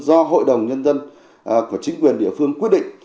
do hội đồng nhân dân của chính quyền địa phương quyết định